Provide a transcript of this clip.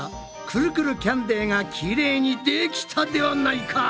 くるくるキャンデーがきれいにできたではないか！